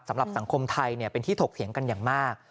สังคมไทยเป็นที่ถกเถียงกันอย่างมาก